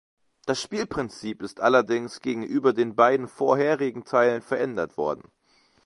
Das Spielprinzip ist allerdings gegenüber den beiden vorherigen Teilen verändert worden.